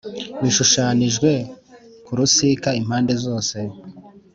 bishushanijwe ku rusika impande zose